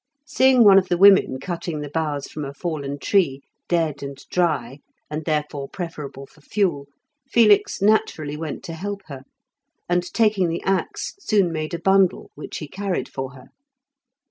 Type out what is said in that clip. Seeing one of the women cutting the boughs from a fallen tree, dead and dry, and, therefore, preferable for fuel, Felix naturally went to help her, and, taking the axe, soon made a bundle, which he carried for her.